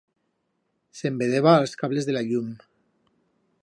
Se'n vedeba a'ls cables de la llum.